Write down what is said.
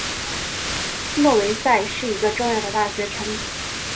诺维萨是一个重要的大学城。